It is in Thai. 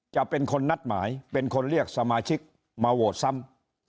จะเป็นคนนัดหมายเป็นคนเรียกสมาชิกมาโหวตซ้ำ